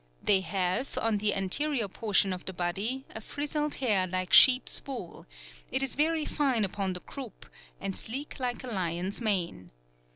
They have, on the anterior portion of the body, a frizzled hair like sheep's wool; it is very fine upon the croup, and sleek like a lion's mane.